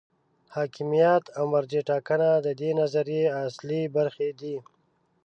حاکمیت او مرجع ټاکنه د دې نظریې اصلي برخې دي.